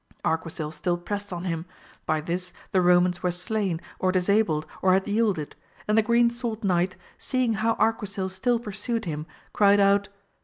Arquisil still prest on him, by this the Eomans were slain, or disabled or had yielded, and the Green Sword Knight seeing how Arquisil still pursued him, cried out.